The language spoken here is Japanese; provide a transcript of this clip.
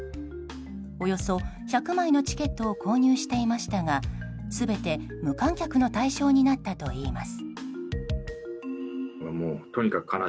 およそ１００枚のチケットを購入していましたが全て無観客の対象になったといいます。